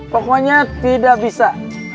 pokoknya tidak bisa